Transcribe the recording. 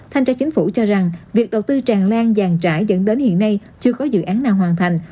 thanh tra chính phủ cho rằng việc đầu tư tràn lan vàng trải dẫn đến hiện nay chưa có dự án nào hoàn thành